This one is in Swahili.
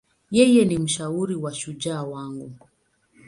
Yeye ni mshauri na shujaa wangu.